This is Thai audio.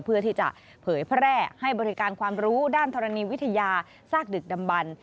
เพื่อที่จะเผยแพร่ให้บริการความรู้ด้านธรณีวิทยาซากดึกดำบัน